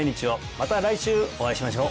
また来週お会いしましょう